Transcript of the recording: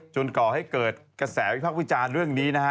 ก่อให้เกิดกระแสวิพักษ์วิจารณ์เรื่องนี้นะฮะ